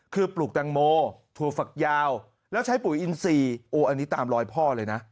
คือปลูกแตงโมถั่วฝักยาวแล้วใช้ปุ๋ยอินซีโอ้อันนี้ตามรอยพ่อเลยนะ